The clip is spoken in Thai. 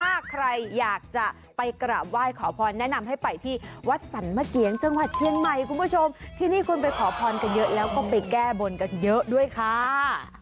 ถ้าใครอยากจะไปกราบไหว้ขอพรแนะนำให้ไปที่วัดสรรมะเกียงจังหวัดเชียงใหม่คุณผู้ชมที่นี่คนไปขอพรกันเยอะแล้วก็ไปแก้บนกันเยอะด้วยค่ะ